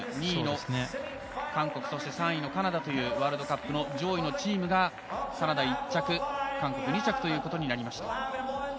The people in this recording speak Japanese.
２位の韓国、３位のカナダというワールドカップの上位のチームがカナダ１着韓国２着ということになりました。